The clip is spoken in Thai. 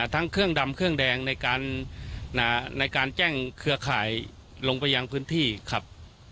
ทั้งเครื่องดำเครื่องแดงในการแจ้งเครือข่ายลงไปยังพื้นที่ครับ